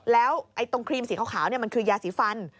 แล้วตรงครีมสีขาวมันคือยาสีฟัน